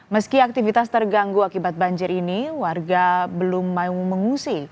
meski aktivitas terganggu akibat banjir ini warga belum mau mengungsi